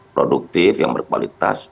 produktif yang berkualitas